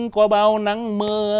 qua bao nắng mưa